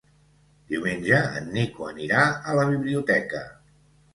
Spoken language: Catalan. Diumenge en Nico anirà a la biblioteca.